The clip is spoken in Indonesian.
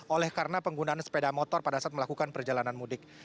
oleh karena penggunaan sepeda motor pada saat melakukan perjalanan mudik